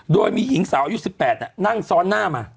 โดยมีหญิงสาวอายุ๑๘นั่งซ้อนหน้ามา